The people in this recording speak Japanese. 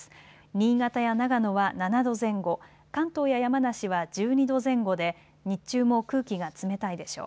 新潟や長野は７度前後、関東や山梨は１２度前後で日中も空気が冷たいでしょう。